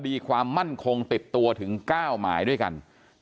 ความมั่นคงติดตัวถึง๙หมายด้วยกัน